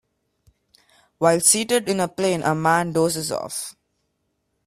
While seated in a plane a man dozes off